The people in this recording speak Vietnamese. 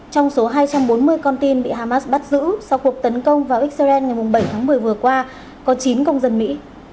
trong số hai trăm bốn mươi con tin bị hamas bắt giữ sau cuộc tấn công vào israel ngày bảy tháng một mươi vừa qua có chín công dân mỹ